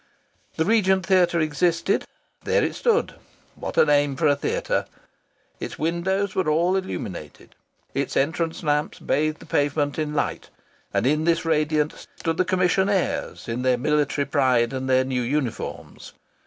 The Regent Theatre existed there it stood! (What a name for a theatre!) Its windows were all illuminated. Its entrance lamps bathed the pavement in light, and in this radiance stood the commissionaires in their military pride and their new uniforms.